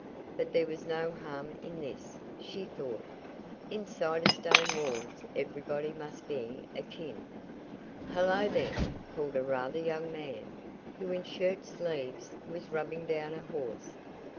But there was no harm in this, she thought. Inside of stone walls everybody must be akin. "Hello, there!" called a rather young man, who in shirt sleeves, was rubbing down a horse.